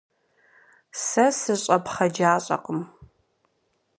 Сэ сыщӏэпхъэджащӏэкъым.